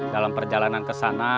dalam perjalanan kesana